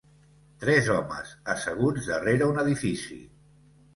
Tres homes asseguts darrere un edifici.